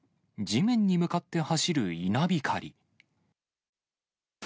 地面に向かって走る稲光。